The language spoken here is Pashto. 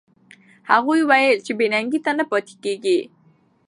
هغې وویل چې بې ننګۍ ته نه پاتې کېږي.